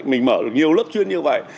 mình mở được nhiều lớp chuyên như vậy